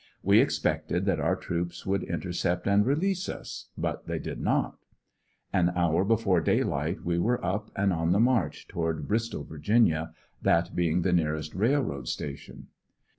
We expected that our troops would intercept and release us, but they did not. An hour before daylight we were up and on the march toward Bristol, Va., that being the nearest railroad station.